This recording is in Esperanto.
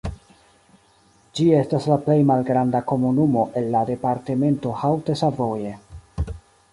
Ĝi estas la plej malgranda komunumo el la departemento Haute-Savoie.